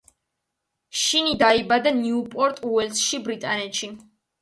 შინი დაიბადა ნიუპორტ უელსში, ბრიტანეთში.